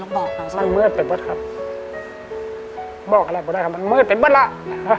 มันมืดไปหมดครับบอกอะไรก็ได้ครับมันมืดไปหมดแล้ว